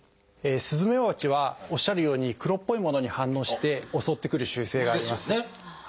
スズメバチはおっしゃるように黒っぽいものに反応して襲ってくる習性があります。ですよね。